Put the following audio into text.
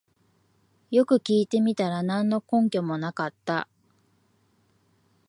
よく聞いてみたら何の根拠もなかった